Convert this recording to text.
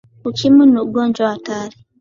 Ukimwi ni ugonjwa hatari